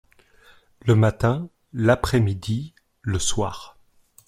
Le matin/L'après-midi/Le soir.